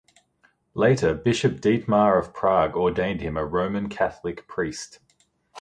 Later Bishop Dietmar of Prague ordained him a Roman Catholic priest.